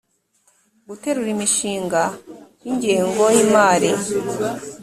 gutegura imishinga y ingengo y imari